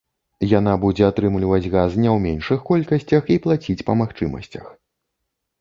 Яна будзе атрымліваць газ не ў меншых колькасцях і плаціць па магчымасцях.